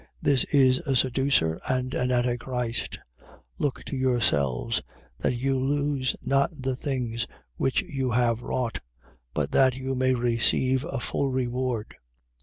This is a seducer and an antichrist. 1:8. Look to yourselves, that you lose not the things which you have wrought: but that you may receive a full reward.